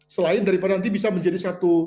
selain daripada nanti bisa menjadi satu